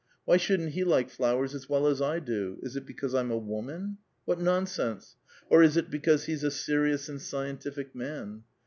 Why shouldn't he like flowers as well as I do? Is it Ijecause 1 am a woman? What nonsense! Or is it because he is a serious and scientific man?